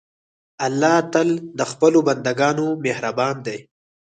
الله تل د خپلو بندهګانو مهربان دی.